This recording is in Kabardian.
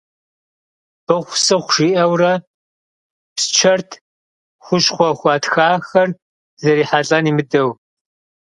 Быхьу-сыхьу жиӏэурэ псчэрт, хущхъуэ хуатхахэр зрихьэлӏэн имыдэу.